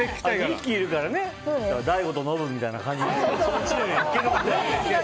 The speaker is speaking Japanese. ２匹いるからね大悟とノブみたいな感じ。